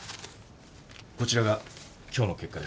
こちらが今日の結果です。